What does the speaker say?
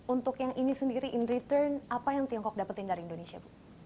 untuk yang ini sendiri in return apa yang tiongkok dapetin dari indonesia bu